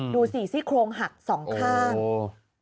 ดูสิซี่โครงหักสองข้างโอ้